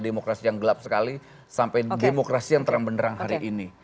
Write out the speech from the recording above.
demokrasi yang gelap sekali sampai demokrasi yang terang benderang hari ini